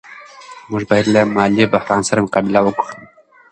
موږ باید له مالي بحران سره مقابله وکړو.